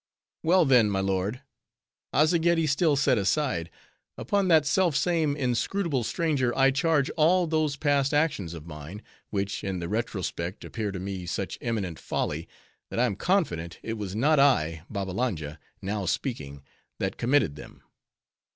"Well, then, my lord,—Azzageddi still set aside,—upon that self same inscrutable stranger, I charge all those past actions of mine, which in the retrospect appear to me such eminent folly, that I am confident, it was not I, Babbalanja, now speaking, that committed them.